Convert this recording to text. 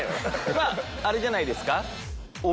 まああれじゃないですか？